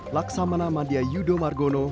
laksamana madia yudo margono